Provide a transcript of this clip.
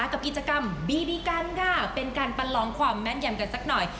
กับกิจกรรมบีบีกันค่ะเป็นการประลองความแม่นยำกันสักหน่อย